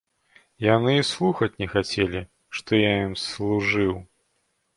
Яны і слухаць не хацелі, што я ім служыў.